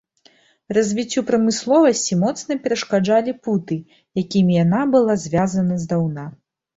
Развіццю прамысловасці моцна перашкаджалі путы, якімі яна была звязана здаўна.